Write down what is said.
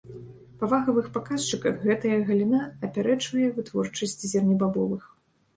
Па вагавых паказчыках гэтая галіна апярэджвае вытворчасць зернебабовых.